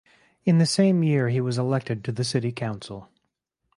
In the same year he was elected to the city council.